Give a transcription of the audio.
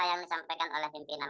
yang disampaikan oleh pimpinan